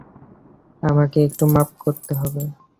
আমাকে একটু মাপ করতে হবে।